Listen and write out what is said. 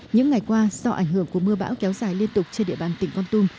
những ngày qua do ảnh hưởng của mưa bão kéo dài liên tục trên địa bàn tỉnh con tum